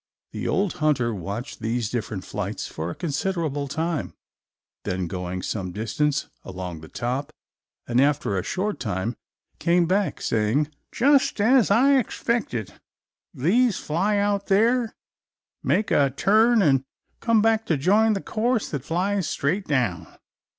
The old hunter watched these different flights for a considerable time, then going some distance along the top, and after a short time came back saying, "Just as I expected. These fly out there, make a turn, and come back to join the course that flies straight down.